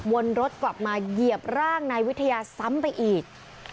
วนรถกลับมาเหยียบร่างนายวิทยาซ้ำไปอีก